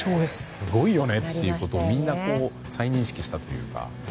すごいよねということをみんな、再認識したというか。